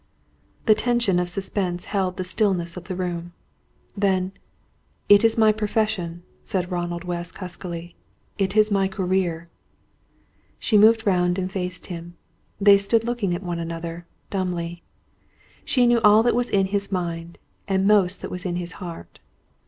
The tension of suspense held the stillness of the room. Then: "It is my profession," said Ronald West, huskily. "It is my career." She moved round and faced him. They stood looking at one another, dumbly. She knew all that was in his mind, and most that was in his heart.